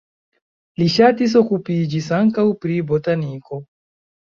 Li ŝatis okupiĝis ankaŭ pri botaniko.